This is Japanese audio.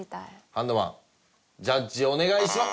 ハンドマンジャッジお願いします。